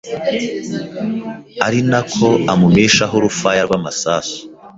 ari na ko amumishaho urufaya rw’amasasu